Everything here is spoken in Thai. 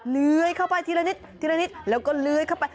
เลื้อยเข้าไปทีละนิดทีละนิดแล้วก็เลื้อยเข้าไป